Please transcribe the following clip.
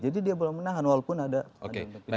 jadi dia belum menahan walaupun ada penyidik